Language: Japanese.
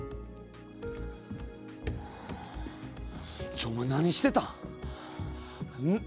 ちょ、お前何してたん？